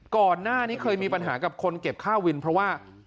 ก่อนหน้านี้เคยมีปัญหากับคนเก็บค่าวินเพราะว่า